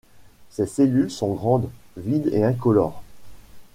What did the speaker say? Ces cellules sont grandes, vides et incolores.